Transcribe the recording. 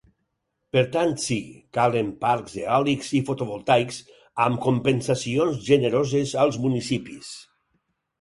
Per tant, sí: calen parcs eòlics i fotovoltaics, amb compensacions generoses als municipis.